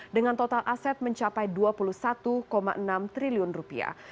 dengan total aset mencapai dua puluh satu enam triliun rupiah